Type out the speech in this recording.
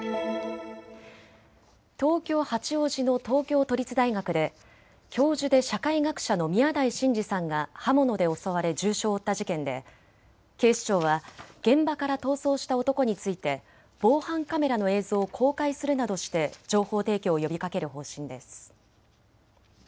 東京八王子の東京都立大学で教授で社会学者の宮台真司さんが刃物で襲われ重傷を負った事件で警視庁は現場から逃走した男について防犯カメラの映像を公開するなどして情報提供を呼びかける方針です。